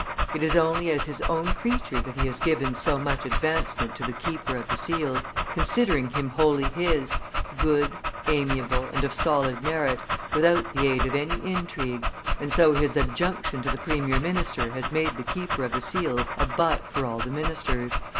It is only as his own creature that he has given so much advancement to the keeper of the seals, considering him wholly his, good, amiable, and of solid merit, without the aid of any intrigue; and so his adjunction to the premier minister has made the keeper of the seals a butt for all the ministers.